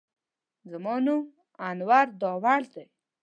زما نوم انور داوړ دی.